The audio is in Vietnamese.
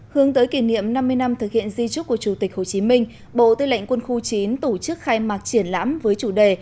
hướng tới kỷ niệm năm mươi năm thực hiện di trúc của chủ tịch hồ chí minh bộ tư lệnh quân khu chín tổ chức khai mạc triển lãm với chủ đề